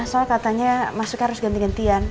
soal katanya masuknya harus ganti gantian